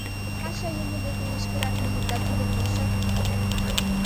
Ача Юмо деке лишкырак лийыт, да тудо полша?»